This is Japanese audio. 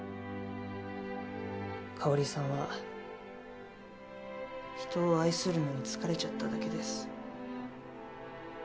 香さんは人を愛するのに疲れちゃっただけです。